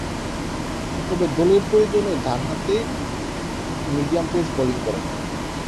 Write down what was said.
তবে, দলের প্রয়োজন ডানহাতে মিডিয়াম পেস বোলিং করেন।